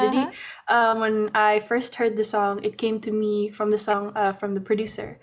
jadi ketika saya pertama kali dengar lagu ini itu datang dari produser